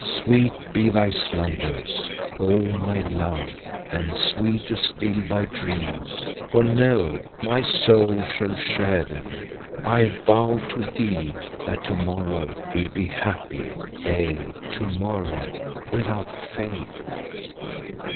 Sweet be thy slumbers, O my love, and sweeter still thy dreams, for know, my soul shall share them. I vow to thee that to morrow we'll be happy, aye, to morrow without fail."